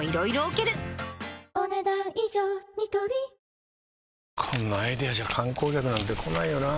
明星「中華三昧」こんなアイデアじゃ観光客なんて来ないよなあ